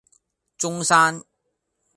中山